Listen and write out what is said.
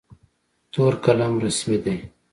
تور قلم رسمي دی.